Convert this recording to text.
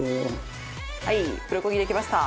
はいプルコギできました。